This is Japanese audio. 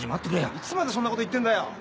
いつまでそんなこと言ってるんだよ！